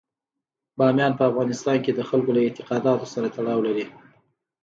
بامیان په افغانستان کې د خلکو له اعتقاداتو سره تړاو لري.